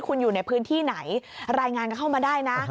คุณอยู่ในพื้นที่ไหนรายงานก็เข้ามาได้นะ